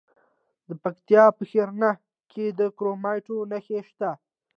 د پکتیکا په ښرنه کې د کرومایټ نښې شته.